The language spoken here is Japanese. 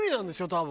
多分。